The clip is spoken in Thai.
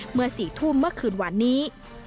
เมื่อ๔ทุ่มเมื่อคืนหวานนี้